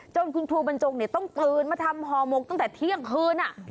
จนคุณครูบรรจงเนี่ยต้องเตือนมาทำหอมกตั้งแต่เที่ยงคืน